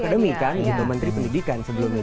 akademi kan gitu menteri pendidikan sebelumnya